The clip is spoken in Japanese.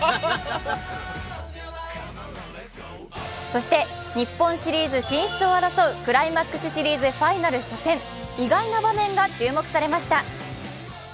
そして日本シリーズ進出を争うクライマッスクスシリーズファイナル初戦、意外な場面が注目されました。